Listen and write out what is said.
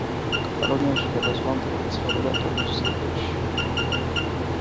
კატალონიაში გადასვლამდე ირიცხებოდა „ტულუზის“ რიგებში.